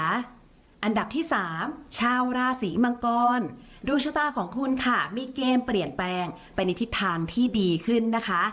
อันดับที่๓ชาวราศีมังกรดวงชะตาของคุณค่ะมีเกมเปลี่ยนแปลงไปในทิศทางที่ดีขึ้นนะคะ